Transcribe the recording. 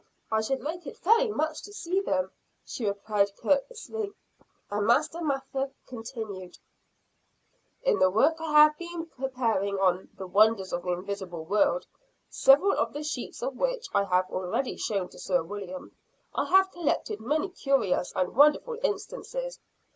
"I should like very much to see them," she replied courteously; and Master Mather continued: "In the work I have been preparing on the "Wonders of the Invisible World," several of the sheets of which I have already shown to Sir William, I have collected many curious and wonderful instances.